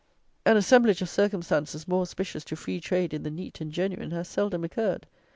An assemblage of circumstances more auspicious to "free trade" in the "neat" and "genuine," has seldom occurred!